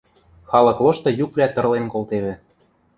Халык лошты юквлӓ тырлен колтевӹ.